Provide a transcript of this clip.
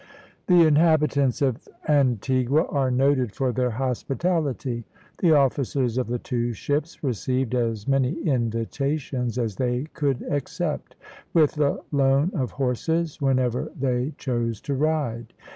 The inhabitants of Antigua are noted for their hospitality. The officers of the two ships received as many invitations as they could accept, with the loan of horses whenever they chose to ride.